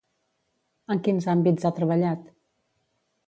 En quins àmbits ha treballat?